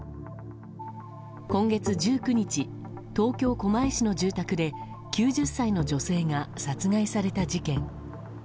今月１９日東京・狛江市の住宅で９０歳の女性が殺害された事件。